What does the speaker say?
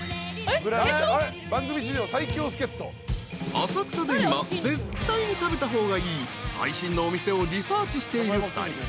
［浅草で今絶対に食べた方がいい最新のお店をリサーチしている２人］